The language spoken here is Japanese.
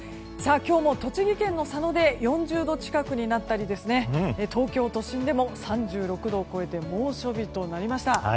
今日も栃木県の佐野で４０度近くになったり東京都心でも３６度を超えて猛暑日となりました。